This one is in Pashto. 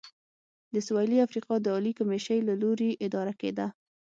د سوېلي افریقا د عالي کمېشۍ له لوري اداره کېده.